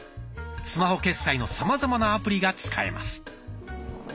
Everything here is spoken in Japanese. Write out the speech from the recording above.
スマホ決済のさまざまなアプリが使えます。